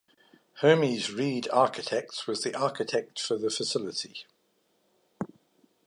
Hermes Reed Architects was the architect for the facility.